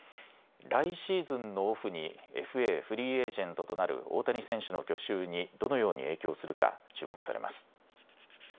来シーズンのオフにＦＡ・フリーエージェントとなる大谷選手の去就にどのように影響するか注目されます。